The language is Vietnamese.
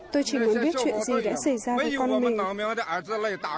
tôi chỉ muốn biết chuyện gì đã xảy ra với con luôn